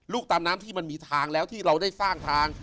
ตามน้ำที่มันมีทางแล้วที่เราได้สร้างทาง